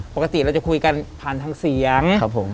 ปกติเราจะคุยกันผ่านทางเสียงครับผม